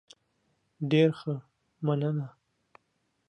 ډیر ښه، مننه.